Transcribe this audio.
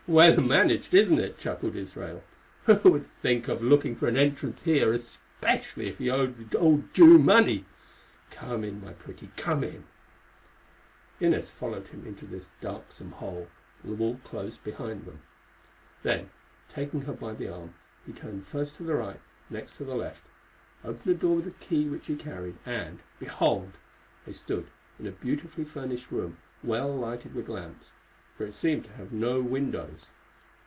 "Well managed, isn't it?" chuckled Israel. "Who would think of looking for an entrance here, especially if he owed the old Jew money? Come in, my pretty, come in." Inez followed him into this darksome hole, and the wall closed behind them. Then, taking her by the arm, he turned first to the right, next to the left, opened a door with a key which he carried, and, behold, they stood in a beautifully furnished room well lighted with lamps, for it seemed to have no windows.